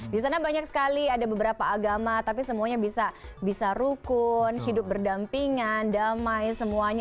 di sana banyak sekali ada beberapa agama tapi semuanya bisa rukun hidup berdampingan damai semuanya